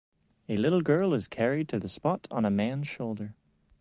A little girl is carried to the spot on a man's shoulder.